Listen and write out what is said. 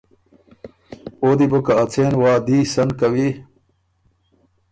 او دی بو که ا څېن وعدي سن کوی